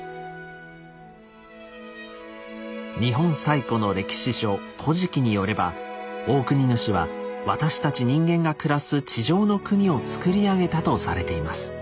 日本最古の歴史書「古事記」によればオオクニヌシは私たち人間が暮らす地上の国を作り上げたとされています。